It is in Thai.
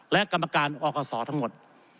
และกรรมการออกข้อสอทั้งหมด